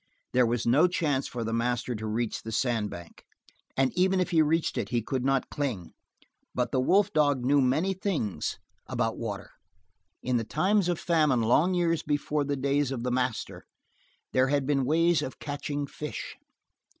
There was no chance for the master to reach the sand bank, and even if he reached it he could not cling; but the wolf dog knew many things about water. In the times of famine long years before the days of the master there had been ways of catching fish.